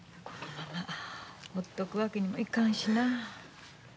このままほっとくわけにもいかんしな。